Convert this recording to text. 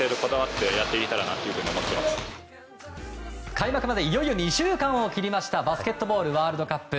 開幕までいよいよ２週間を切りましたバスケットボールワールドカップ